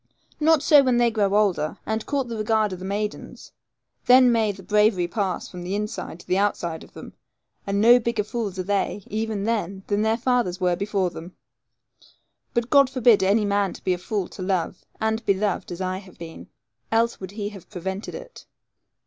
Not so when they grow older, and court the regard of the maidens; then may the bravery pass from the inside to the outside of them; and no bigger fools are they, even then, than their fathers were before them. But God forbid any man to be a fool to love, and be loved, as I have been. Else would he have prevented it.